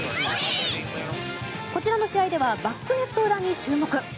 こちらの試合ではバックネット裏に注目。